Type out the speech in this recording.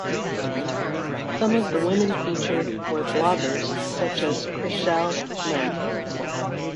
Some of the women featured were bloggers such as Chriselle Lim.